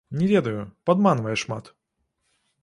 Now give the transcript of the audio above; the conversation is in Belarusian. Не ведаю, падманвае шмат.